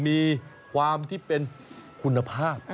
มีความที่เป็นคุณภาพ